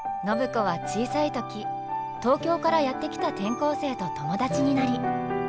暢子は小さい時東京からやって来た転校生と友達になり。